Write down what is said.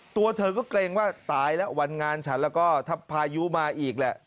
ตัวเธอก็เกรงว่าตายแล้ววันงานฉันแล้วก็ถ้าพายุมาอีกแหละ